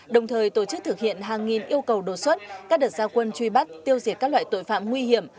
đồng thời tổ chức thực hiện hàng nghìn yêu cầu đột xuất các đợt giao quân truy bắt tiêu diệt các loại tội phạm nguy hiểm